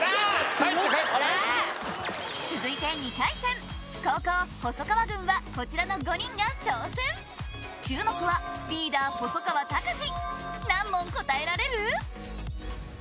帰って帰って続いて２回戦後攻細川軍はこちらの５人が挑戦注目はリーダー・細川たかし何問答えられる？